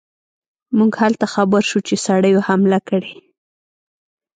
موږ هلته خبر شو چې سړیو حمله کړې.